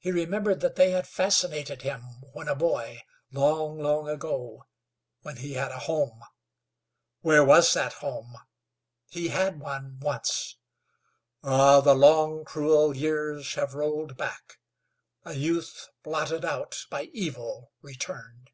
He remembered that they had fascinated him when a boy, long, long ago, when he had a home. Where was that home? He had one once. Ah! the long, cruel years have rolled back. A youth blotted out by evil returned.